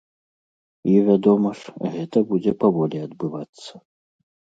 І, вядома ж, гэта будзе паволі адбывацца.